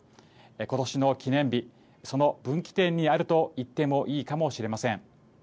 今年の記念日その分岐点にあると言ってもいいかもしれません。